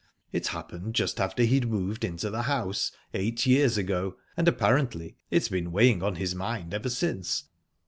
It happened just after he'd moved into the house, eight years ago, and apparently it's been weighing on his mind ever since.